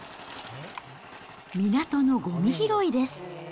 港のごみ拾いです。